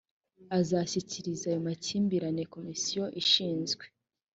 azashyikiriza ayo makimbirane komisiyo ishinzwe